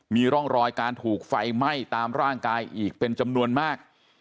มีร่องรอยการถูกไฟไหม้ตามร่างกายอีกเป็นจำนวนมาก